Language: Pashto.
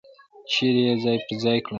چیرې یې ځای پر ځای کړل.